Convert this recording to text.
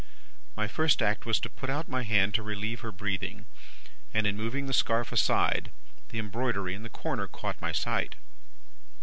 My first act was to put out my hand to relieve her breathing; and in moving the scarf aside, the embroidery in the corner caught my sight.